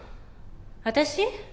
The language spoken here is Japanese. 私？